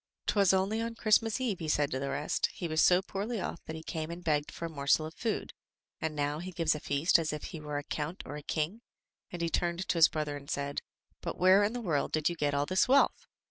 *"Twas only on Christmas eve," he said to the rest, "he was so poorly off that he came and begged for a morsel of food, and now he gives a feast as if he were a count or a king," and he turned to his brother and said, "But where in the world did you get all this wealth?"